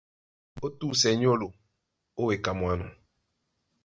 Ó túsɛ nyólo, ó weka myano.